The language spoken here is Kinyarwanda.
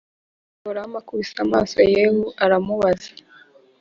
yehoramu akubise amaso yehu aramubaza